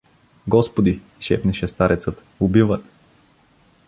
Господи — шепнеше старецът, — убиват!